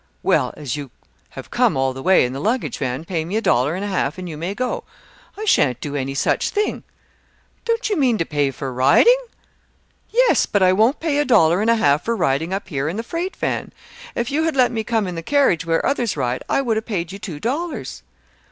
"Well, as you have come all the way in the luggage van, pay me a dollar and a half and you may go." "I shan't do any such thing." "Don't you mean to pay for riding?" "Yes, but I won't pay a dollar and a half for riding up here in the freight van. If you had let me come in the carriage where others ride, I would have paid you two dollars."